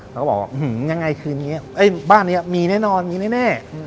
เราก็บอกว่าอย่างไรบ้านนี้มีแน่นอนมีแน่